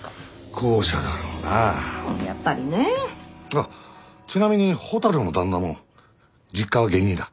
あっちなみに蛍の旦那も実家は下忍だ。